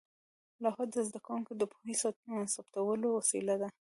لوحه د زده کوونکو د پوهې ثبتولو وسیله وه.